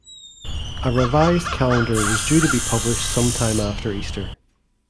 A revised calendar was due to be published sometime after Easter.